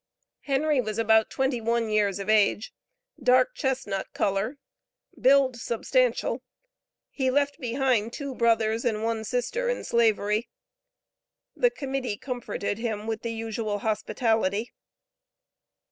Henry was about twenty one years of age, dark chesnut color, build substantial. He left behind two brothers and one sister in Slavery. The Committee comforted him with the usual hospitality.